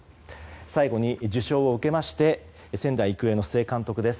最後に、受賞を受けまして仙台育英の須江監督です。